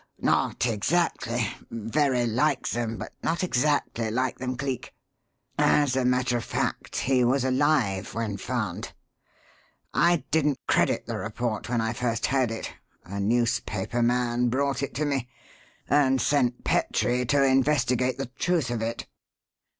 "Not exactly very like them, but not exactly like them, Cleek. As a matter of fact, he was alive when found. I didn't credit the report when I first heard it (a newspaper man brought it to me), and sent Petrie to investigate the truth of it."